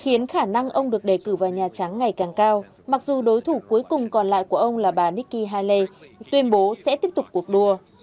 khiến khả năng ông được đề cử vào nhà trắng ngày càng cao mặc dù đối thủ cuối cùng còn lại của ông là bà nikki haley tuyên bố sẽ tiếp tục cuộc đua